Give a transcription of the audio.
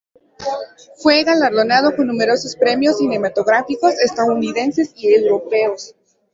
Fue galardonado con numerosos premios cinematográficos estadounidenses y europeos.